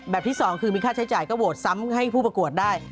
ที่สองคือมีค่าใช้จ่ายก็โหวตซ้ำให้ผู้ประกวดได้